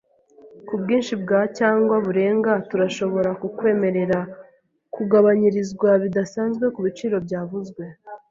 Kubwinshi bwa cyangwa burenga, turashobora kukwemerera kugabanyirizwa bidasanzwe kubiciro byavuzwe